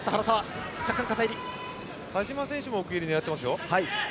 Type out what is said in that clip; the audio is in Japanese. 田嶋選手も奥襟を狙っています。